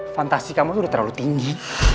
fantasi kamu tuh udah terlalu tinggi